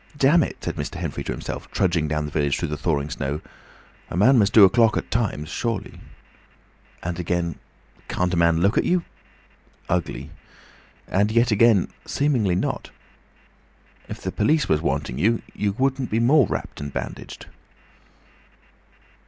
"Damn it!" said Mr. Henfrey to himself, trudging down the village through the thawing snow; "a man must do a clock at times, surely." And again, "Can't a man look at you?—Ugly!" And yet again, "Seemingly not. If the police was wanting you you couldn't be more wropped and bandaged."